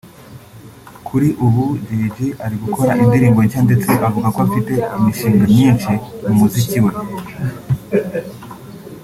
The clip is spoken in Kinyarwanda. Kuri ubu Jay G ari gukora indirimbo nshya ndetse avuga ko afite imishinga myinshi mu muziki we